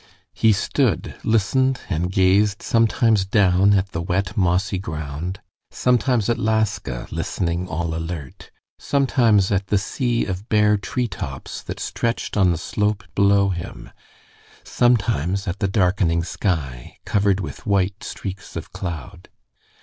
He stood, listened, and gazed sometimes down at the wet mossy ground, sometimes at Laska listening all alert, sometimes at the sea of bare tree tops that stretched on the slope below him, sometimes at the darkening sky, covered with white streaks of cloud.